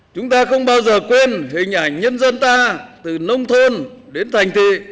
chúng ta không bao giờ quên hình ảnh nhân dân ta từ nông thôn đến thành thị